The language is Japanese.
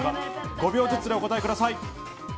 ５秒ずつでお答えください。